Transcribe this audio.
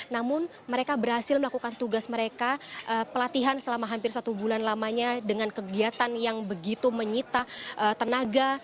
namun mereka berhasil melakukan tugas mereka pelatihan selama hampir satu bulan lamanya dengan kegiatan yang begitu menyita tenaga